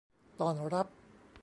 ต้อนรับ